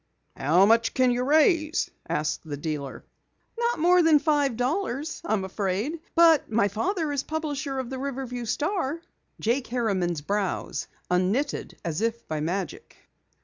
"How much can you raise?" asked the dealer. "Not more than five dollars, I'm afraid. But my father is publisher of the Riverview Star." Jake Harriman's brows unknitted as if by magic.